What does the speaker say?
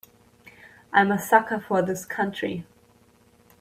I'm a sucker for this country.